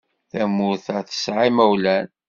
Tamurt-a tesɛa imawlan.